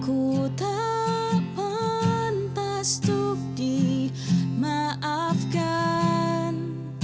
aku tak pantas tuk dimaafkan